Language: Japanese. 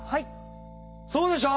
そうでしょう？